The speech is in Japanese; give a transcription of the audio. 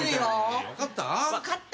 分かった？